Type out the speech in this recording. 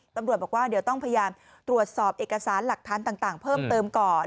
ตำรวจบอกว่าเดี๋ยวต้องพยายามตรวจสอบเอกสารหลักฐานต่างเพิ่มเติมก่อน